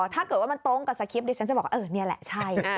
ถ้าเกิดว่ามันตรงกับสคริปดิฉันจะบอกว่านี่แหละใช่